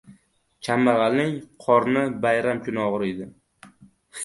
• Kambag‘alning qorni bayram kuni og‘riydi.